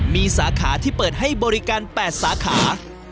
มีสาขาที่เปิดให้บริการ๘สาขา